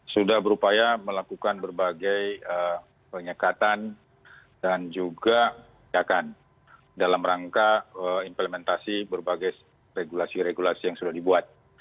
sudah berupaya melakukan berbagai penyekatan dan juga penyekatan dalam rangka implementasi berbagai regulasi regulasi yang sudah dibuat